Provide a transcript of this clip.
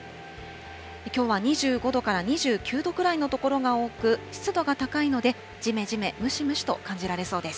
きょうは２５度から２９度くらいの所が多く、湿度が高いので、じめじめ、ムシムシと感じられそうです。